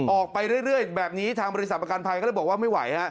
ออกไปเรื่อยแบบนี้ทางบริษัทประกันภัยก็เลยบอกว่าไม่ไหวฮะ